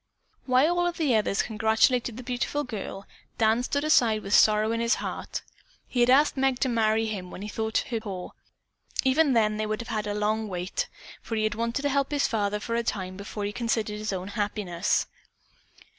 While all of the others congratulated the beautiful girl, Dan stood aside with sorrow in his heart. He had asked Meg to marry him when he thought her poor. Even then they would have had a long wait, for he had wanted to help his father for a time before he considered his own happiness.